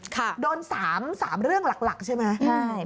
ค่ะโดน๓เรื่องหลักใช่ไหมอืมอืมอืมอืมอืมอืมอืมอืม